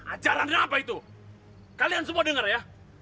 ajarannya apa itu kalian semua dengar ya